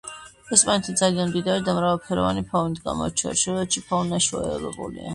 ესპანეთი ძალიან მდიდარი და მრავალფეროვანი ფაუნით გამოირჩევა, ჩრდილოეთში ფაუნა შუაევროპულია.